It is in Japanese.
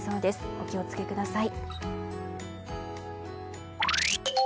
お気を付けください。